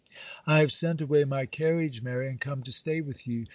] 'I have sent away my carriage, Mary, and come to stay with you.